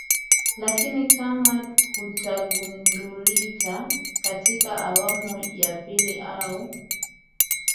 lakini kama utagundulika katika awamu ya pili au